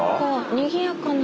にぎやかな。